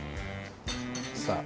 さあ。